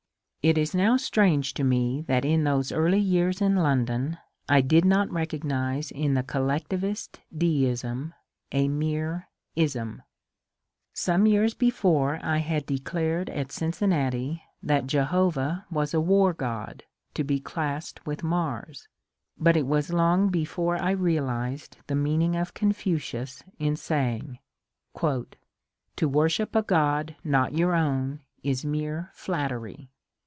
It is now strange to me that in those early years in London I did not recognize in the collectivist deism a mere ^^ ism." Some years before I had declared at Cincinnati that Jehovah was a war god to be classed with Mars, but it was long be fore I realized the meaning of Confucius in saying, *^ To wor ship a god not your own is mere flattery."